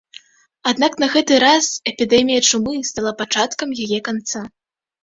Аднак на гэты раз эпідэмія чумы стала пачаткам яе канца.